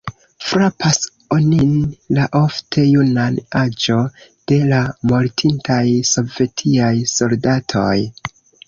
Frapas onin la ofte juna aĝo de la mortintaj sovetiaj soldatoj.